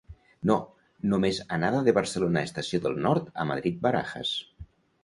No, només anada de Barcelona Estació del Nord a Madrid Barajas.